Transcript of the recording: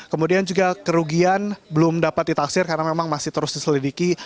kemudian juga kerugian belum dapat ditaksir karena memang masih terus diselidiki